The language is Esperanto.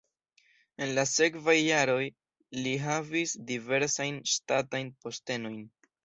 En la sekvaj jaroj li havis diversajn ŝtatajn postenojn.